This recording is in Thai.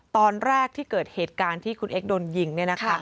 ตอนแรกที่เกิดเหตุการณ์ที่คุณเอกโดนยิงเนี่ยนะคะ